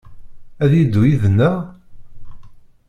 Ad d-yeddu yid-neɣ?